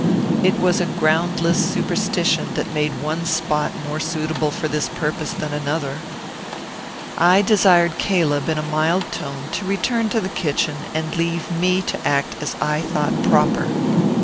It was a groundless superstition that made one spot more suitable for this purpose than another. I desired Caleb, in a mild tone, to return to the kitchen, and leave me to act as I thought proper.